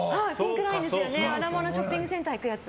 アラモアナショッピングセンター行くやつ。